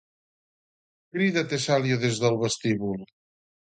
—crida Tesalio des del vestíbul